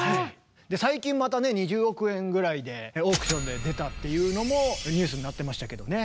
最近またね２０億円ぐらいでオークションで出たっていうのもニュースになってましたけどね。